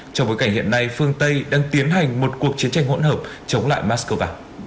trong bối cảnh hiện nay phương tây đang tiến hành một cuộc chiến tranh hỗn hợp chống lại moscow